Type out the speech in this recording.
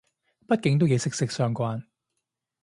畢竟都幾息息相關